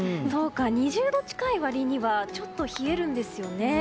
２０度近い割にはちょっと冷えるんですよね。